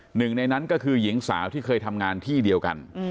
หนึ่งในนั้นก็คือหญิงสาวที่เคยทำงานที่เดียวกัน